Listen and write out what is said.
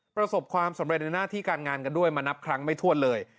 ประสบความสำเร็จในหน้าที่การงานกันด้วยมานับครั้งไม่ถ้วนเลย